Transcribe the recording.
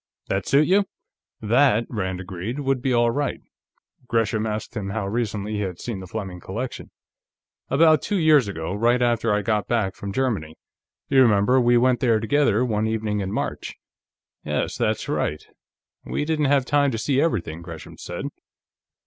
That suit you?" That, Rand agreed, would be all right. Gresham asked him how recently he had seen the Fleming collection. "About two years ago; right after I got back from Germany. You remember, we went there together, one evening in March." "Yes, that's right. We didn't have time to see everything," Gresham said.